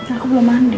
aku belum mandi